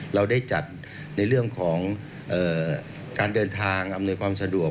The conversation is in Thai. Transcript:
เราได้จัดในเรื่องของการเดินทางอำนวยความสะดวก